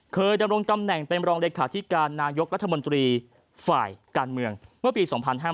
ดำรงตำแหน่งเป็นรองเลขาธิการนายกรัฐมนตรีฝ่ายการเมืองเมื่อปี๒๕๕๙